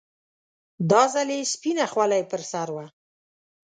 دا ځل يې سپينه خولۍ پر سر وه.